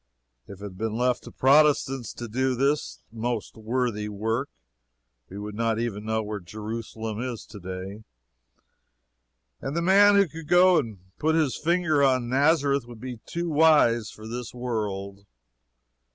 If it had been left to Protestants to do this most worthy work, we would not even know where Jerusalem is to day, and the man who could go and put his finger on Nazareth would be too wise for this world.